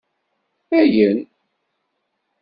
Ayen